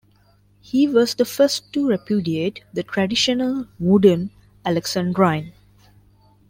He was the first to repudiate the traditional, wooden alexandrine.